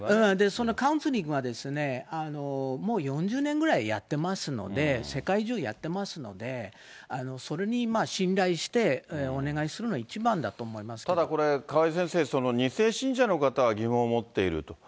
そのカウンセリングはもう４０年ぐらいやってますので、世界中やってますので、それに信頼して、お願いするのが一番だと思いただこれ、川井先生、２世信者の方は疑問を持っていると。